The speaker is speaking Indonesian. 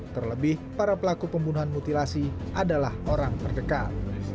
terlebih para pelaku pembunuhan mutilasi adalah orang terdekat